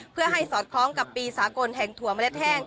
เพื่อให้สอดคล้องกับปีสากลแห่งถั่วเมล็ดแห้ง